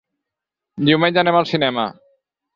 Diumenge anem al cinema.